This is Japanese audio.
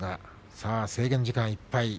さあ、制限時間いっぱい。